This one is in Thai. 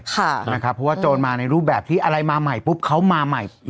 เพราะว่าโจรมาในรูปแบบที่อะไรมาใหม่ปุ๊บเขามาใหม่